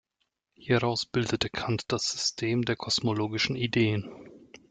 Hieraus bildete Kant das „System der kosmologischen Ideen“.